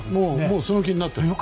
その気になってる。